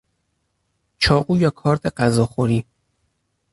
چاقو یا کارد غذاخوری